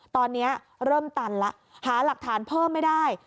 ตอนนี้เริ่มตันแล้วหาหลักฐานเพิ่มไม่ได้